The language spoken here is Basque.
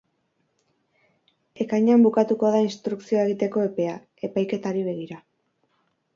Ekainean bukatuko da instrukzioa egiteko epea, epaiketari begira.